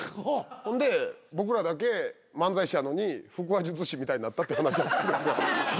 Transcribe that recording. ほんで僕らだけ漫才師やのに腹話術師みたいになったって話やったんですよ。